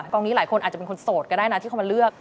กองนี้หลายคนอาจจะเป็นคนโสดก็ได้นะที่เขามาเลือก